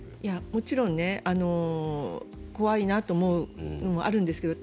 もちろん怖いなと思うのもあるんですけど